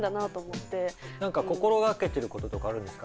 何か心がけていることとかあるんですか？